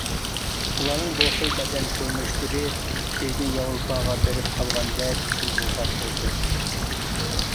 ئۇلارنىڭ بۇ خىل بەدەن كۆرۈنۈشلىرى بىزنى ياۋروپاغا بېرىپ قالغاندەك تۇيغۇغا كەلتۈرەتتى.